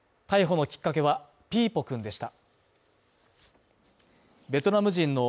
逮捕のきっかけは、ピーポくんでした。